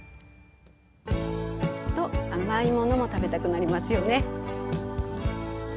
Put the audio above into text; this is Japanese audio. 甘いものも食べたくなりますよね。